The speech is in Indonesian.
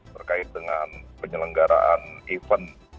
berkait dengan penyelenggaraan event